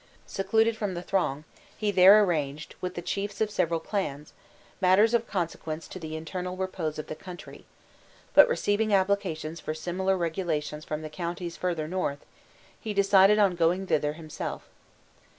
Secluded from the throng, he there arranged, with the chiefs of several clans, matters of consequence to the internal repose of the country; but receiving applications for similar regulations from the counties further north, he decided on going thither himself.